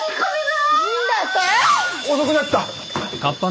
遅くなった！